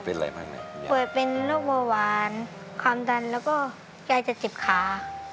ปวดเป็นโรควาวานความดันแล้วก็ยายจะจิบขา